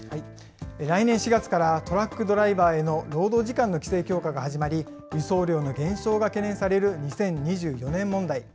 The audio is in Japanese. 来年４月からトラックドライバーへの労働時間の規制強化が始まり、輸送量の減少が懸念される２０２４年問題。